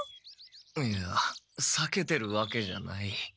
いやさけてるわけじゃない。